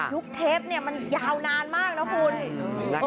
ยุคเทพฯมันยาวนานมากนะคุณ